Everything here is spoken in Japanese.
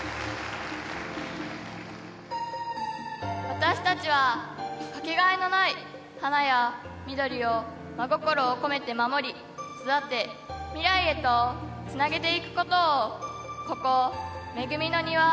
私たちはかけがえのない花や緑を真心を込めて守り育て未来へとつなげていくことをここ恵みの庭